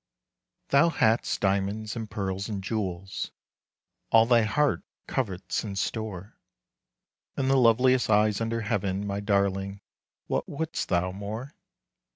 Thou hast diamonds, and pearls and jewels, All thy heart covets in store, And the loveliest eyes under heaven My darling, what wouldst thou more?